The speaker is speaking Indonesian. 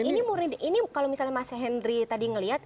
ini kalau misalnya mas henry tadi ngeliat